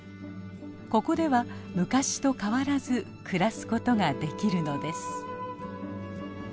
ここでは昔と変わらず暮らすことができるのです。